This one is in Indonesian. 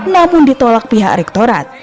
namun ditolak pihak rektorat